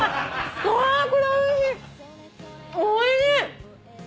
おいしい！